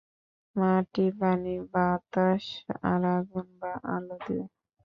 মাটি, পানি, বাতাস আর আগুন বা আলো দিয়ে।